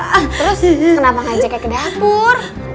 ah terus kenapa ngajaknya ke dapur